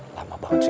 lama banget sih